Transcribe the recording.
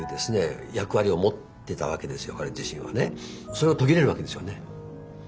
それが途切れるわけですよね。